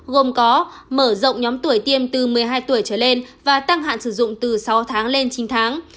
gồm có mở rộng nhóm tuổi tiêm từ một mươi hai tuổi trở lên và tăng hạn sử dụng từ sáu tháng lên chín tháng